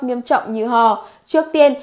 nghiêm trọng như hò trước tiên